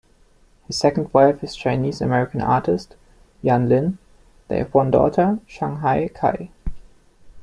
His second wife is Chinese-American artist, Yan Lin; they have one daughter, Shanghai Kaye.